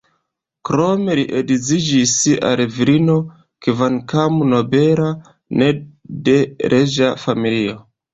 Krome li edziĝis al virino, kvankam nobela, ne de reĝa familio.